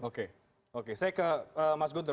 oke oke saya ke mas guntur